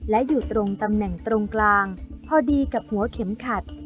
และอยู่ตรงตำแหน่งตรงกลางพอดีกับหัวเข็มขัด